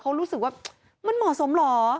เขารู้สึกว่ามันเหมาะสมเหรอ